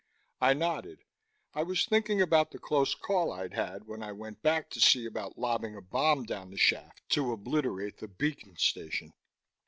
I nodded. I was thinking about the close call I'd had when I went back to see about lobbing a bomb down the shaft to obliterate the beacon station.